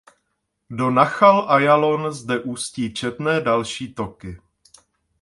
Do Nachal Ajalon zde ústí četné další toky.